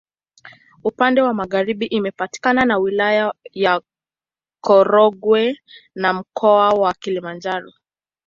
Upande wa magharibi imepakana na Wilaya ya Korogwe na Mkoa wa Kilimanjaro.